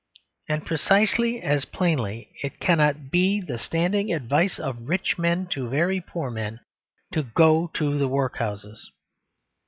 And, precisely as plainly, it cannot be the standing advice of rich men to very poor men to go to the workhouses.